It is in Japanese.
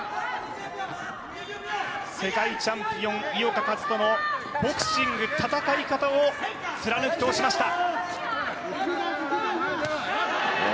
世界チャンピオン井岡一翔のボクシング戦い方を貫き通しました。